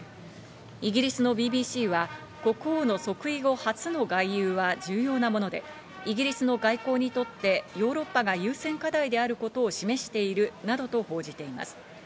イギリスのＢＢＣは国王の即位後初の外遊は重要なもので、イギリスの外交にとってヨーロッパが優先課題であることを示しているなどと報じています。